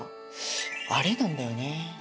アレなんだよね。